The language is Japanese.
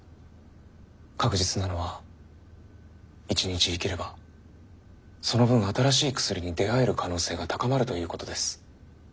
確実なのは一日生きればその分新しい薬に出会える可能性が高まるということです。